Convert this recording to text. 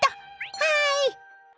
はい！